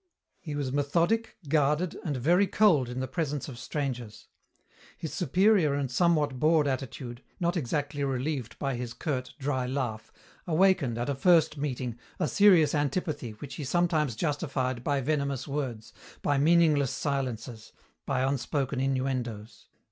He was methodic, guarded, and very cold in the presence of strangers. His superior and somewhat bored attitude, not exactly relieved by his curt, dry laugh, awakened, at a first meeting, a serious antipathy which he sometimes justified by venomous words, by meaningless silences, by unspoken innuendoes.